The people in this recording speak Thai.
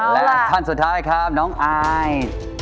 และท่านสุดท้ายครับน้องอาย